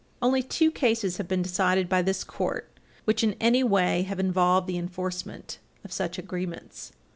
Only two cases have been decided by this Court which in any way have involved the enforcement of such agreements.